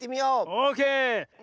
オーケー！